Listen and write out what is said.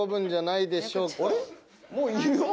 もういるよ。